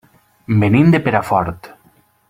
Venim de Perafort.